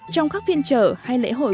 trong các phiên trợ hay lễ hội